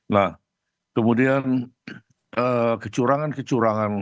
nah kemudian kecurangan kecurangan